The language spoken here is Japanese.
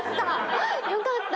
よかった。